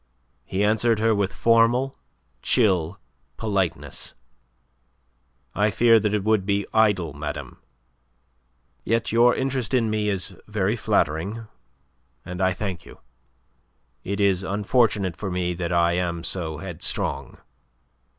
He answered her with formal, chill politeness. "I fear that it would be idle, madame. Yet your interest in me is very flattering, and I thank you. It is unfortunate for me that I am so headstrong."